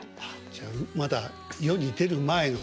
じゃまだ世に出る前の。